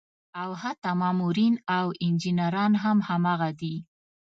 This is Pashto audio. او حتا مامورين او انجينران هم هماغه دي